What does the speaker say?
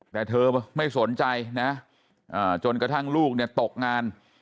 แต่เธอไม่สนใจนะจนกระทั่งลูกเนี่ยตกงาน